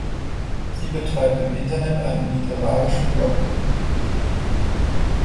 Sie betreibt im Internet einen literarischen Blog.